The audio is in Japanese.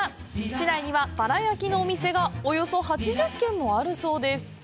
市内にはバラ焼きのお店がおよそ８０軒もあるそうです！